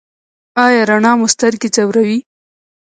ایا رڼا مو سترګې ځوروي؟